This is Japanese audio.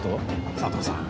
佐藤さん